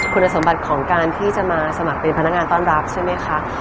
คุณสมบัติของการที่จะมาสมัครเป็นพนักงานต้อนรับใช่ไหมคะ